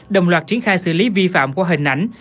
đồng loạt triển khai xử lý vi phạm qua hình ảnh